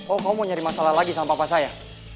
oh kamu mau nyari masalah lagi sama papa saya